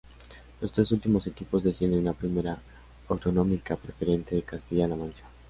Los tres últimos equipos descienden a Primera Autonómica Preferente de Castilla-La Mancha.